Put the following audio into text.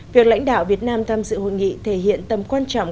việc lãnh đạo việt nam tham dự hội nghị thể hiện tầm quan trọng